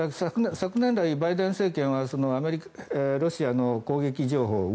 昨年来、バイデン政権はロシアの攻撃情報